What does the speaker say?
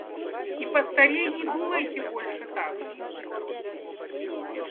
И поскорей не думайте больше так!